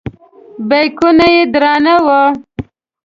بیکونه یې درانه وو.